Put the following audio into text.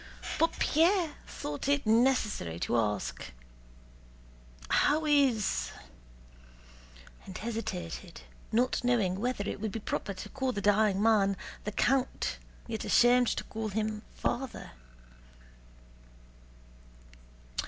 But Pierre thought it necessary to ask: "How is..." and hesitated, not knowing whether it would be proper to call the dying man "the count," yet ashamed to call him "father."